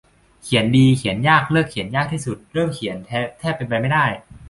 เขียนดีเขียนยาก เลิกเขียนยากที่สุด เริ่มเขียนแทบเป็นไปไม่ได้